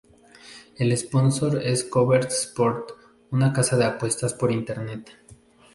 El sponsor es Corbett Sports, una casa de apuestas por Internet.